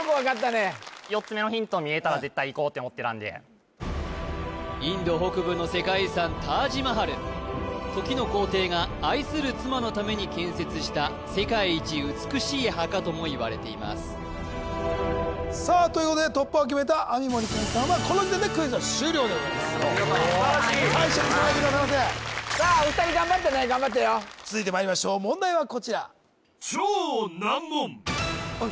・すごいインド北部の世界遺産タージ・マハル時の皇帝が愛する妻のために建設した世界一美しい墓ともいわれていますさあということで突破を決めた網盛健さんはこの時点でクイズは終了でございます素晴らしい最終に備えてくださいませさあお二人頑張ってね頑張ってよ続いてまいりましょう問題はこちらあっ